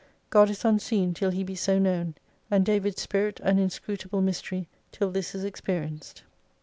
God is unseen till He be so known : and David's Spirit an inscrutable mystery, till this is experienced.